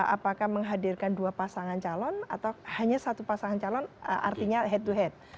apakah menghadirkan dua pasangan calon atau hanya satu pasangan calon artinya head to head